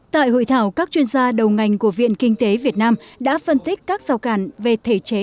tại hội thảo các chuyên gia đầu ngành của viện kinh tế việt nam đã phân tích các rào cản về thể chế